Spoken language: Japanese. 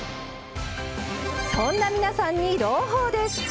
そんな皆さんに朗報です！